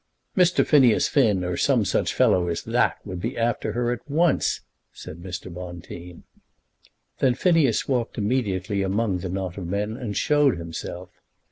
"Mr. Phineas Finn, or some such fellow as that, would be after her at once," said Mr. Bonteen. Then Phineas walked immediately among the knot of men and showed himself.